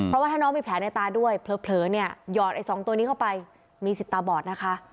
เพราะว่าถ้าน้องมีแผลในตาด้วยเผลอเนี่ยหยอดไอ้สองตัวนี้เข้าไปมีสิทธิ์ตาบอดนะคะ